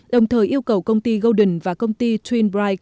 đồng thời yêu cầu công ty golden và công ty twin bride